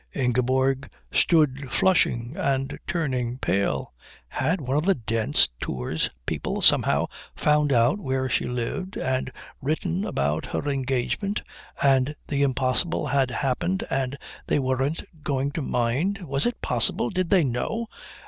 Ingeborg stood flushing and turning pale. Had one of the Dent's Tour people somehow found out where she lived and written about her engagement and the impossible had happened and they weren't going to mind? Was it possible? Did they know?